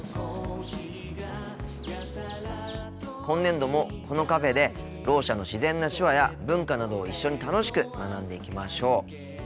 今年度もこのカフェでろう者の自然な手話や文化などを一緒に楽しく学んでいきましょう。